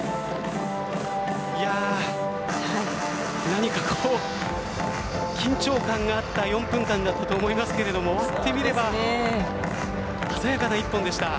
何か緊張感があった４分間だったと思いますが終わってみれば鮮やかな一本でした。